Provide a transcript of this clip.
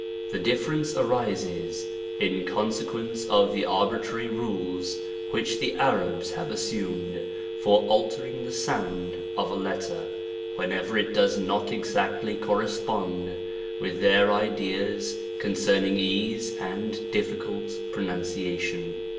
The difference arises, in consequence of the arbitrary rules which the Arabs have assumed, for altering the sound of a letter, whenever it does not exactly correspond with their ideas concer ning easy and difficult pronunciation.